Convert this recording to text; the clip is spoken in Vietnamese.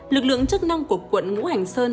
lực lượng chức năng của quận ngũ hành sơn